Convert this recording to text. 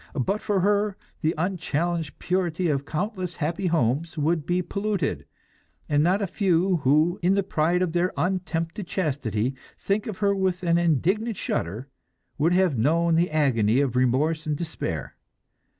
But for her, the unchallenged purity of countless happy homes would be polluted, and not a few who, in the pride of their untempted chastity, think of her with an indignant shudder, would have known the agony of remorse and despair.